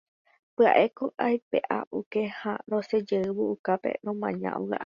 Pya'éko aipe'a okẽ ha rosẽjeývo okápe romaña óga ári.